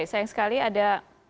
sayang sekali ada